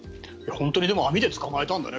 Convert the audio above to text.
本当に網で捕まえたんだね。